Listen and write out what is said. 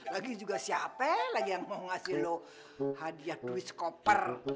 lagi juga siapa lagi yang mau ngasih lo hadiah duit skoper